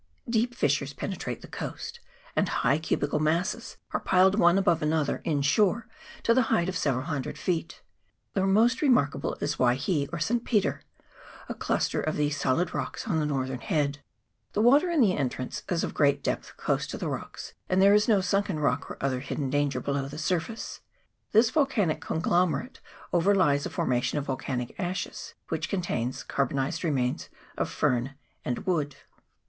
Deep fissures penetrate the coast, and high cubical masses are piled one above another in shore to the height of several hundred feet. The most remark able is Waihi, or St. Peter, a cluster of these solid 236 WANGAROA HARBOUR. [PART II. rocks on the northern head. The water in the entrance is of great depth close to the rocks, and there is no sunken rock or other hidden danger below the surface. This volcanic conglomerate overlies a formation of volcanic ashes, which con tains carbonized remains of fern and wood.